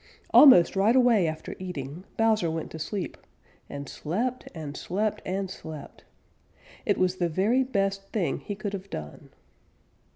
Almost right away after eating Bowser went to sleep and slept and slept and slept. It was the very best thing he could have done.